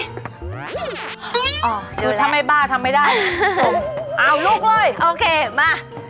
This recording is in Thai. อ๋อเดี๋ยวแหละดูทำไมบ้าทำไม่ได้เอาลูกเลยโอเคมา